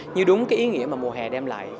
như đúng cái ý nghĩa mà mùa hè đem lại